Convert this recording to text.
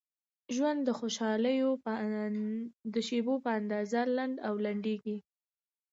ژوند د خوشحالۍ د شیبو په اندازه لنډ او لنډیږي.